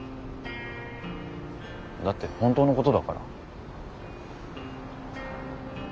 だって本当のことだから。